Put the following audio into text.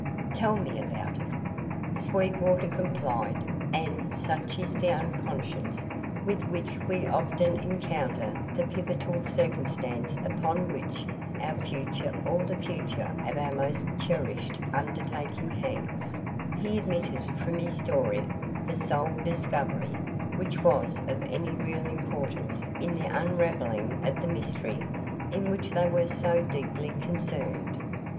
"Tell me about it." Sweetwater complied; and such is the unconsciousness with which we often encounter the pivotal circumstance upon which our future or the future of our most cherished undertaking hangs, he omitted from his story, the sole discovery which was of any real importance in the unravelling of the mystery in which they were so deeply concerned.